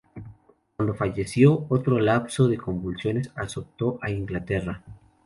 Cuando falleció, otro lapso de convulsiones azotó a Inglaterra.